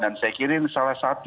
dan saya kira ini salah satu